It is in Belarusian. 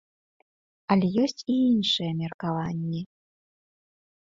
Але ёсць і іншыя меркаванні.